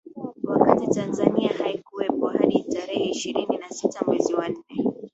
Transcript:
wakati Tanzania haikuwepo hadi tarehe ishirini na sita mwezi wa nne